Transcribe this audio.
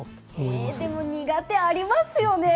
でも苦手ありますよね。